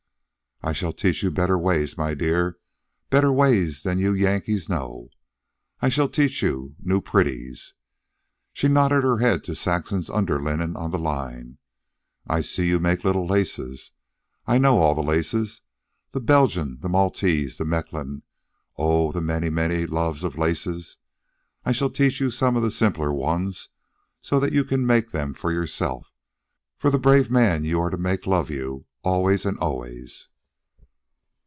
"I shall teach you better ways, my dear, better ways than you Yankees know. I shall teach you new pretties." She nodded her head to Saxon's underlinen on the line. "I see you make little laces. I know all laces the Belgian, the Maltese, the Mechlin oh, the many, many loves of laces! I shall teach you some of the simpler ones so that you can make them for yourself, for your brave man you are to make love you always and always."